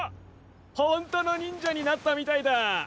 ホントの忍者になったみたいだ！